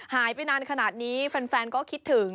หายไปนานขนาดนี้แฟนก็คิดถึง